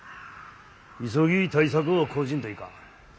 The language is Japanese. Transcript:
急ぎ対策を講じんといかん。